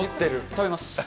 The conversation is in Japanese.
食べます。